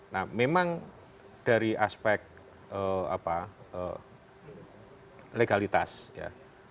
nah memang dari aspek legalitas ya